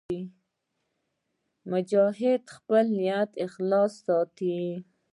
مجاهد خپل نیت خالص ساتي.